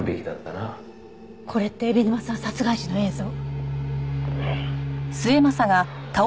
これって海老沼さん殺害時の映像？